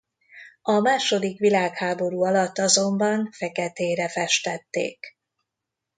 A második világháború alatt azonban feketére festették.